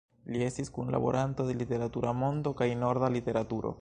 Li estis kunlaboranto de "Literatura Mondo" kaj "Norda Literaturo.